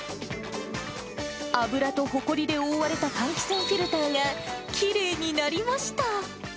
油とほこりで覆われた換気扇フィルターがきれいになりました。